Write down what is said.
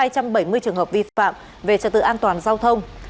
hai trăm bảy mươi trường hợp vi phạm về trật tự an toàn giao thông